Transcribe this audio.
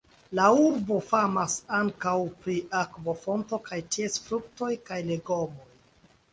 La urbo famas ankaŭ pri akvofonto kaj ties fruktoj kaj legomoj.